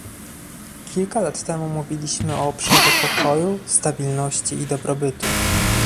Kilka lat temu mówiliśmy o obszarze pokoju, stabilności i dobrobytu